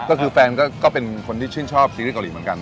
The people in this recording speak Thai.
ก็คือแฟนก็เป็นคนที่ชื่นชอบซีรีสเกาหลีเหมือนกัน